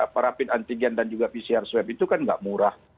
perapit antigen dan juga pcr swab itu kan nggak murah